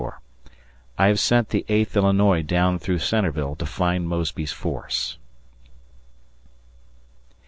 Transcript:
I have sent the Eighth Illinois down through Centreville to find Mosby's force.